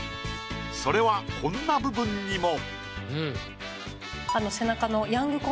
それはこんな部分にも。